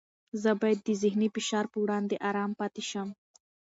زه باید د ذهني فشار په وړاندې ارام پاتې شم.